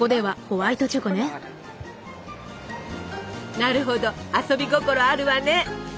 なるほど遊び心あるわね！